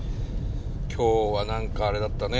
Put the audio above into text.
今日は何かあれだったね